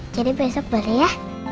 jadi besok boleh ya